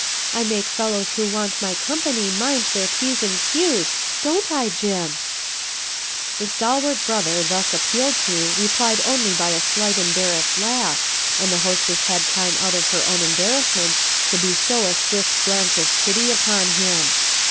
I make fellows who want my company mind their p's and q's, don't I, Ji m ?» The stalwart brother thus appealed to re plied only by a slight embarrassed laugh, and the hostess had time out of her own embarrass ment to bestow a swift glance of pity upon him.